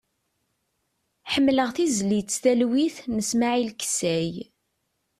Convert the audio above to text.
Ḥemmleɣ tizlit "Talwit" n Smail Kessay.